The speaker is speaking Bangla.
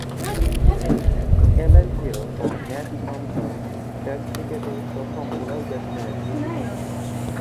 অ্যালেন হিল ও ন্যাট টমসন টেস্ট ক্রিকেটে প্রথম বোলার/ব্যাটসম্যানের জুটি গড়েন।